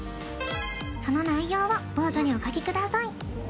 その内容をボードにお書きください